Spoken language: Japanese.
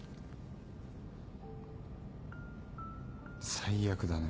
最悪だね。